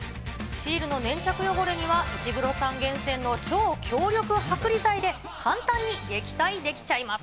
シールの粘着汚れには、石黒さん厳選の超強力剥離剤で、簡単に撃退できちゃいます。